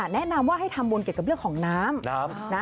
แนะนำว่าให้ทำบุญเกี่ยวกับเรื่องของน้ำ